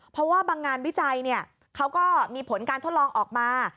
เพราะว่าบางงานวิจัยเขาก็มีผลการทดลองออกมา